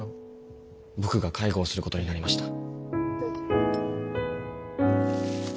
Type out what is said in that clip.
僕が介護をすることになりました。